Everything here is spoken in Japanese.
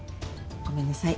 ごめんなさい。